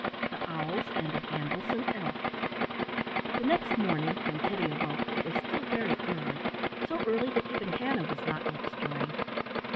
THE OWLS AND THE GAMBLESOME ELF The next morning when Teddy awoke it was still very early; so early that even Hannah was not yet stirring.